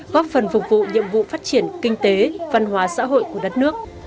góp phần phục vụ nhiệm vụ phát triển kinh tế văn hóa xã hội của đất nước